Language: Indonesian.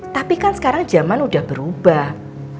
tapi kan sekarang zaman sudah berubah